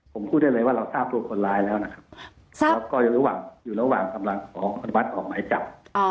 ผมพูดได้เลยว่าเราทราบตัวคนร้ายแล้วนะครับแล้วก็อยู่ระหว่างกำลังขออนุมัติออกหมายจับ